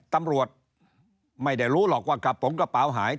ตำรวจไม่ได้รู้หรอกว่ากระโปรงกระเป๋าหาย